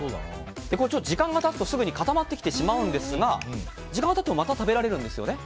時間が経つと、すぐに固まってきてしまうんですが時間が経ってもまた食べられるんですよね。